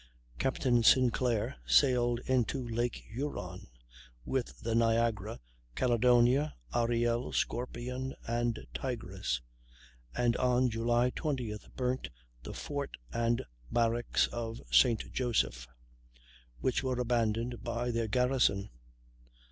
Captain Sinclair sailed into Lake Huron with the Niagara, Caledonia, Ariel, Scorpion, and Tigress, and on July 20th burnt the fort and barracks of St. Joseph, which were abandoned by their garrison.